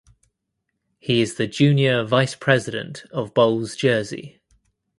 He is the Junior Vice President of Bowls Jersey.